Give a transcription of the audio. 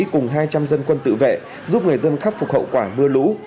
cùng hai trăm linh dân quân tự vệ giúp người dân khắc phục hậu quả mưa lũ